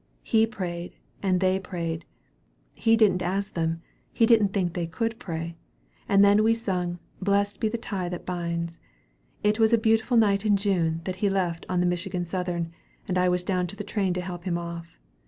He prayed, and they prayed; he didn't ask them, he didn't think they could pray; and then we sung, 'Blest be the tie that binds.' It was a beautiful night in June that he left on the Michigan Southern, and I was down to the train to help him off.